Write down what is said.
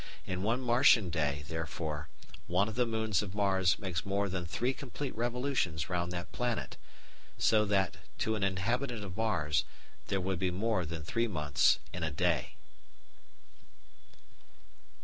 In one Martian day, therefore, one of the moons of Mars makes more than three complete revolutions round that planet, so that, to an inhabitant of Mars, there would be more than three months in a day.